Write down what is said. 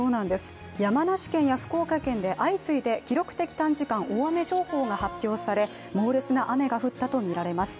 山梨県や福岡県で相次いで記録的短時間大雨情報が発表され、猛烈な雨が降ったとみられます。